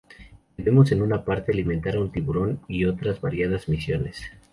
Debemos en una parte alimentar a un tiburón, y otras variadas misiones.